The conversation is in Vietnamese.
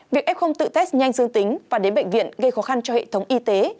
việc f tự test nhanh dương tính và đến bệnh viện gây khó khăn cho hệ thống y tế